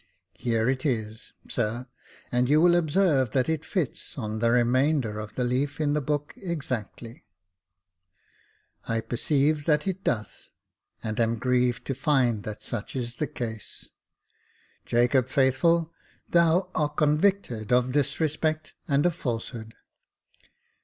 Here it is, sir, and you will observe that it fits on to the remainder of the leaf in the book exactly." Jacob Faithful 39 I perceive that it doth j and am grieved to find that such is the case. Jacob Faithful, thou art convicted of disrespect and of falsehood.